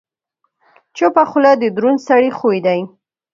چپه خوله، د دروند سړي خوی دی.